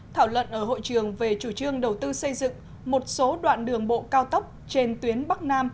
thảo luận ở hội trường về chủ trương đầu tư xây dựng một số đoạn đường bộ cao tốc trên tuyến bắc nam